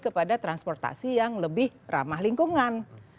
kepada transportasi yang lebih ramah lingkungan